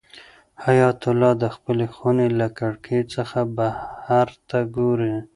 حیات الله د خپلې خونې له کړکۍ څخه بهر ته ګوري.